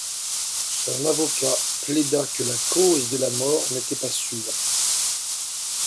Son avocat plaida que la cause de la mort n'était pas sûre.